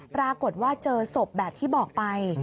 ปรากฏว่าเจอศพแบบที่บอกไป